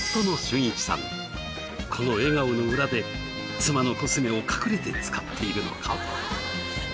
この笑顔の裏で妻のコスメを隠れて使っているのか？